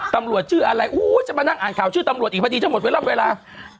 ตำรวจชื่ออะไรจะมานั่งอ่านข่าวชื่อตำรวจอีกพอดีจะหมดเวลา